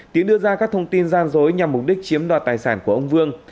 tiến đưa ra các thông tin gian dối nhằm mục đích chiếm đoạt tài sản của ông vương